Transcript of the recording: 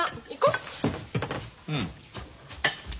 うん。